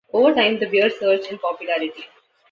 Over time the beer surged in popularity.